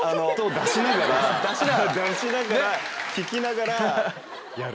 出しながら聞きながらやる。